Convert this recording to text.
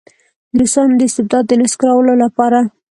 د روسانو د استبداد د نسکورولو لپاره.